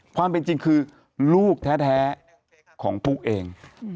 ความเป็นจริงคือลูกแท้ของปุ๊เอง